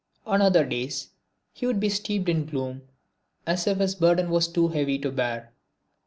On other days he would be steeped in gloom, as if his burden was too heavy to bear.